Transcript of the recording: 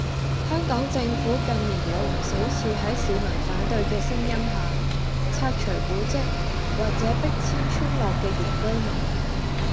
香港政府近年有唔少次喺市民反對嘅聲音下，拆除古蹟或者迫遷村落嘅原居民